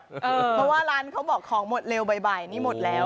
เพราะว่าร้านเขาบอกของหมดเร็วบ่ายนี่หมดแล้ว